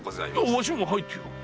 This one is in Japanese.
わしは入っておる。